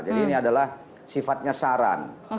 jadi ini adalah sifatnya saran